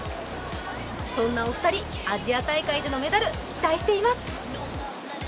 そんなお二人、アジア大会でのメダル期待しています。